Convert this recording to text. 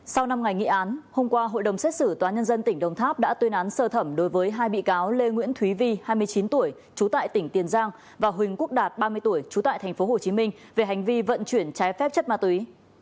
sau năm ngày nghị án hôm qua hội đồng xét xử tòa nhân dân tỉnh đồng tháp đã tuyên án sơ thẩm đối với hai bị cáo lê nguyễn thúy vi hai mươi chín tuổi trú tại tỉnh tiền giang và huỳnh quốc đạt ba mươi tuổi trú tại tp hcm về hành vi vận chuyển trái phép chất ma túy